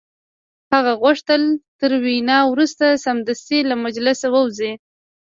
هغه غوښتل تر وینا وروسته سمدستي له مجلسه ووځي